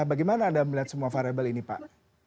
bagaimana anda melihat semua variable ini pak